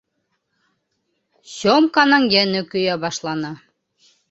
Сёмканың йәне көйә башланы.